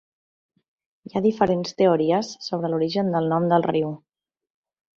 Hi ha diferents teories sobre l'origen del nom del riu.